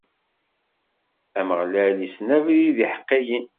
Ameɣlal issen abrid n iḥeqqiyen.